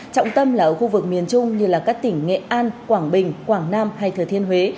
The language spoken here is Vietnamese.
trọng tâm là ở khu vực miền trung như các tỉnh nghệ an quảng bình quảng nam hay thừa thiên huế